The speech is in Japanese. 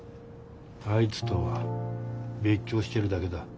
あいつとは別居してるだけだ。